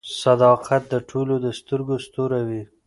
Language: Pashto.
• صداقت د ټولو د سترګو ستوری وي.